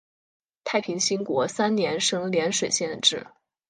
太平兴国三年升涟水县置。